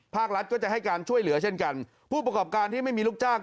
ภาครัฐก็จะให้การช่วยเหลือเช่นกันผู้ประกอบการที่ไม่มีลูกจ้าง